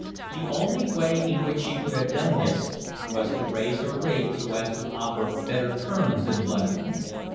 The only way in which she could have done this was to raise her rate so as to offer better terms than London.